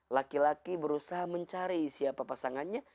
laki laki berusaha mencari siapa pasangannya